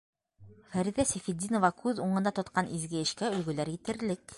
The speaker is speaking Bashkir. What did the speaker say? Фәриҙә Сәйфетдинова күҙ уңында тотҡан изге эшкә өлгөләр етерлек.